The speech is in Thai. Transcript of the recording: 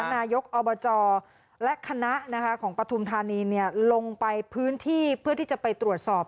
นายกอบจและคณะของปฐุมธานีลงไปพื้นที่เพื่อที่จะไปตรวจสอบ